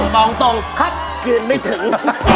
บอกตรงครับยืนไม่ถึง